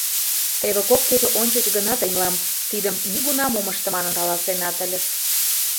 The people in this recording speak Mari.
Теве кок кече ончыч гына тый мылам тидым нигунам ом ыште манын каласенат ыльыс...